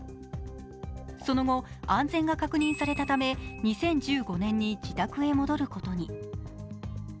その後、安全が確認されたため２０１５年に自宅へ戻ることに。